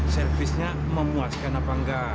servisnya memuaskan apa nggak